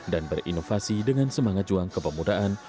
dan berinovasi dengan semangat juang kepemudaan